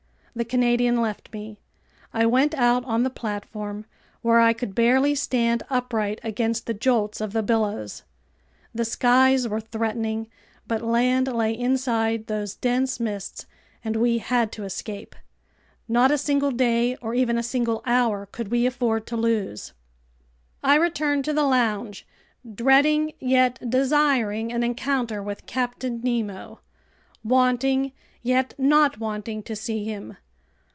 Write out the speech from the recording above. The Canadian left me. I went out on the platform, where I could barely stand upright against the jolts of the billows. The skies were threatening, but land lay inside those dense mists, and we had to escape. Not a single day, or even a single hour, could we afford to lose. I returned to the lounge, dreading yet desiring an encounter with Captain Nemo, wanting yet not wanting to see him.